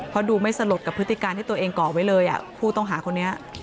เพราะดูไม่สลดกับพฤติการที่ตัวเองก่อไว้เลยผู้ต้องหาคนนี้